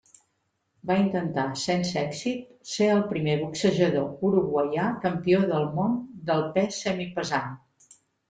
Va intentar, sense èxit, ser el primer boxejador uruguaià campió del món del pes semipesant.